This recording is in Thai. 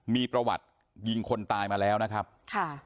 มีประวัติยิงคนตายมาแล้วนะครับค่ะ